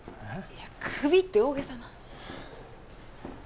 いやクビって大げさな。